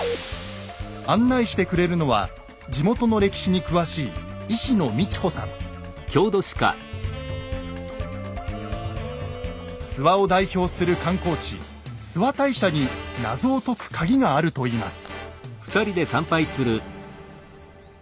案内してくれるのは地元の歴史に詳しい諏訪を代表する観光地諏訪大社に謎を解く鍵があるといいます。